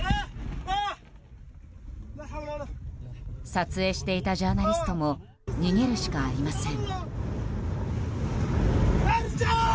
撮影していたジャーナリストも逃げるしかありません。